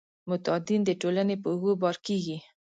معتادین د ټولنې په اوږو بار کیږي.